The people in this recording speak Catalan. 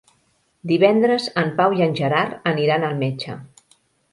Divendres en Pau i en Gerard aniran al metge.